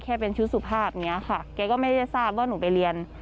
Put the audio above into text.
แค่เป็นชุดสุภาพอย่างนี้ค่ะแกก็ไม่ได้ทราบว่าหนูไปเรียน